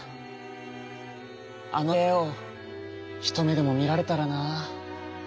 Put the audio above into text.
あのえをひとめでもみられたらな」。